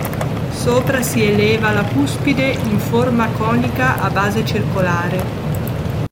Sopra si eleva la cuspide in forma conica a base circolare.